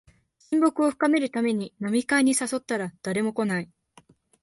親睦を深めるために飲み会に誘ったら誰も来ない